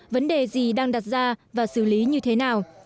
vấn đề gì đang đặt ra và xử lý như thế nào